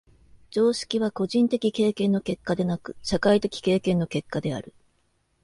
常識は個人的経験の結果でなく、社会的経験の結果である。